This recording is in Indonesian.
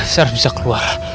saya harus bisa keluar